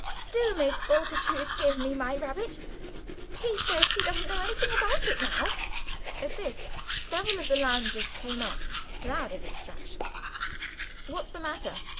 Do make Bultitude give me my rabbit. He says he doesn't know anything about it now!" At this several of the loungers came up, glad of a distraction. "What's the matter?"